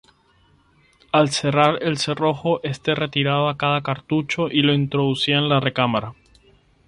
Al cerrar el cerrojo, este retiraba cada cartucho y lo introducía en la recámara.